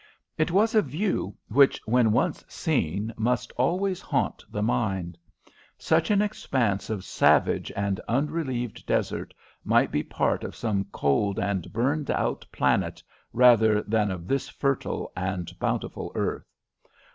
It was a view which, when once seen, must always haunt the mind. Such an expanse of savage and unrelieved desert might be part of some cold and burned out planet rather than of this fertile and bountiful earth.